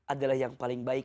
adalah yang paling baik